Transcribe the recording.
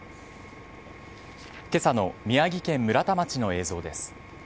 今朝の宮城県村田町の映像です。